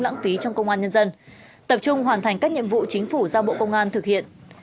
lãng phí trong công an nhân dân tập trung hoàn thành các nhiệm vụ chính phủ giao bộ công an thực hiện